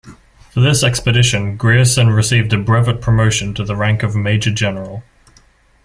For this expedition Grierson received a brevet promotion to the rank of major general.